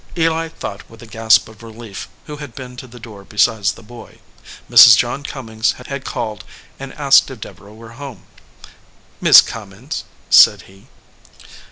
Eli thought with a gasp of relief who had been to the door besides the boy. Mrs. John Cummings had called and asked if Deborah were home. "Mis Cummin s," said he.